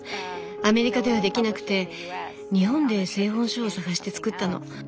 アメリカではできなくて日本で製本所を探して作ったの。